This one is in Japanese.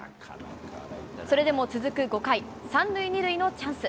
それでも続く５回、３塁２塁のチャンス。